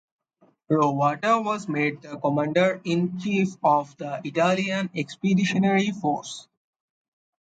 Roatta was made the Commander-in-Chief of the Italian expeditionary force.